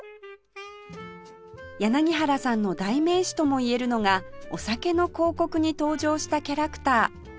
柳原さんの代名詞ともいえるのがお酒の広告に登場したキャラクター